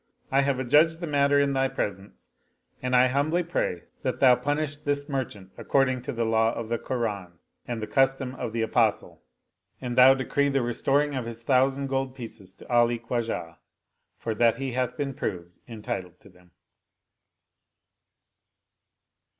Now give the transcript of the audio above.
I have adjudged the matter in thy presence and I humbly pray that thou punish this merchant according to the law of the Koran and the custom of the Apostle; and thou decree the restoring of his thousand gold pieces to Ali Khwajah, for that he hath been proved entitled to them."